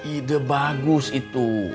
ide bagus itu